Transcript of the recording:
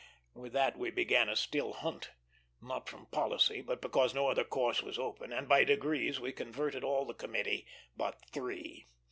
With that we began a still hunt; not from policy, but because no other course was open, and by degrees we converted all the committee but three.